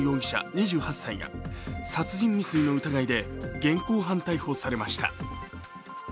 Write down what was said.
２８歳が殺人未遂の疑いで現行犯逮捕されました。